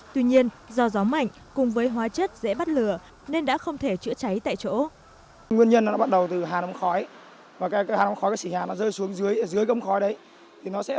tuy nhiên do gió mạnh cùng với hóa chất dễ bắt lửa nên đã không thể chữa cháy tại chỗ